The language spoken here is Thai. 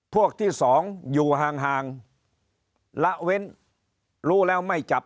พวกที่สองอยู่ห่างละเว้นรู้แล้วไม่จับ